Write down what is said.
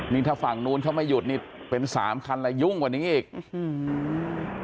นี่ถ้าฝั่งนู้นเขาไม่หยุดนี่เป็นสามคันแล้วยุ่งกว่านี้อีกอืม